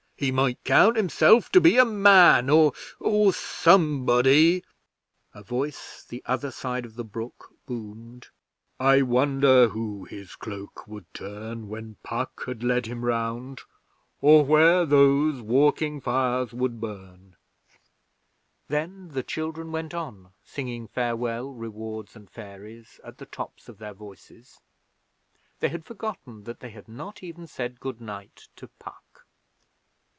He might count himself to be a man or or Somebody ' A voice the other side of the brook boomed: 'I wonder who his cloak would turn When Puck had led him round, Or where those walking fires would burn ' Then the children went in singing 'Farewell Rewards and Fairies' at the tops of their voices. They had forgotten that they had not even said good night to Puck.